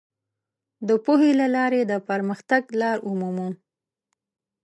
د پوهې له لارې د پرمختګ لار ومومو.